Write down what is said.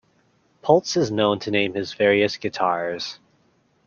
Poltz is known to name his various guitars.